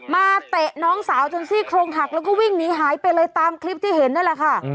เตะน้องสาวจนซี่โครงหักแล้วก็วิ่งหนีหายไปเลยตามคลิปที่เห็นนั่นแหละค่ะ